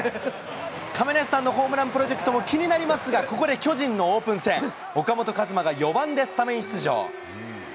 亀梨さんのホームランプロジェクトも気になりますが、ここで巨人のオープン戦。岡本和真が４番でスタメン出場。